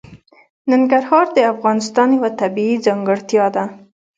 ننګرهار د افغانستان یوه طبیعي ځانګړتیا ده.